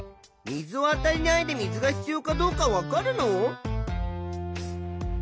水をあたえないで水が必要かどうかわかるの？